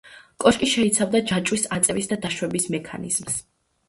კოშკი შეიცავდა ჯაჭვის აწევის და დაშვების მექანიზმს.